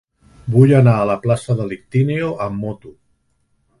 Vull anar a la plaça de l'Ictíneo amb moto.